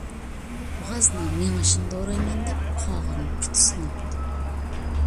غازنىڭ مېڭىشىنى دورايمەن دەپ قاغىنىڭ پۇتى سۇنۇپتۇ.